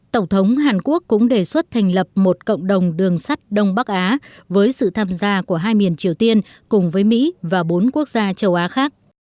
tổng thống hàn quốc cũng đề xuất thành lập một cộng đồng đường sắt đông bắc á với sự tham gia của hai miền triều tiên cùng với mỹ và bốn quốc gia châu á khác